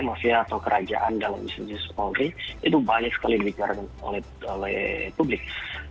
mafia atau kerajaan dalam institusi kepolisian itu banyak sekali dicarakan oleh publik